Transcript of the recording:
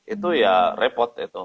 itu ya repot gitu